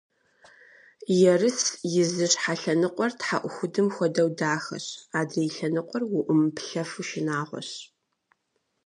Ерыс и зы щхьэ лъэныкъуэр тхьэӏухудым хуэдэу дахэщ, адрей лъэныкъуэр уӏумыплъэфу шынагъуащ.